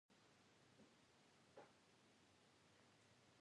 He spent the majority of his life managing his family's estate.